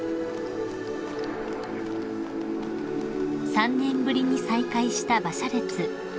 ［３年ぶりに再開した馬車列］